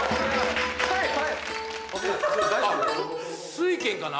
酔拳かな？